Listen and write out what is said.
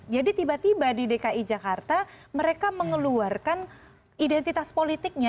tiba tiba di dki jakarta mereka mengeluarkan identitas politiknya